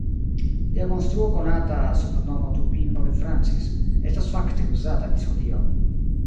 Lia konstruo konata sub nomo Turbino de Francis estas fakte uzata ĝis hodiaŭ.